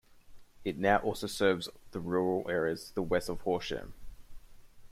It now also serves the rural area to the west of Horsham.